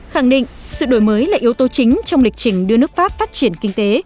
khẳng định sự đổi mới là yếu tố chính trong lịch trình đưa nước pháp phát triển kinh tế